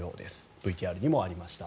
ＶＴＲにもありました。